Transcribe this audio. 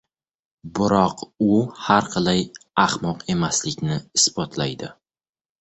biroq u har qalay ahmoq emaslikni isbotlaydi.